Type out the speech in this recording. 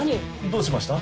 どうしました？